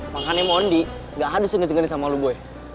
makanya mondi gak harus ngejengkelin sama lo boy